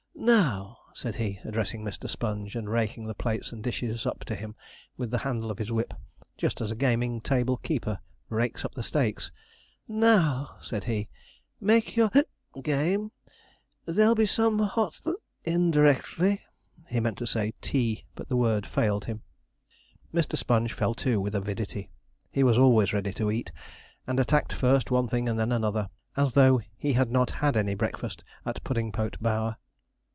Now,' said he, addressing Mr. Sponge, and raking the plates and dishes up to him with the handle of his whip, just as a gaming table keeper rakes up the stakes, 'now,' said he, 'make your game. There'll be some hot in directly.' He meant to say 'tea,' but the word failed him. Mr. Sponge fell to with avidity. He was always ready to eat, and attacked first one thing and then another, as though he had not had any breakfast at Puddingpote Bower.